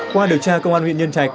qua điều tra công an huyện nhân trạch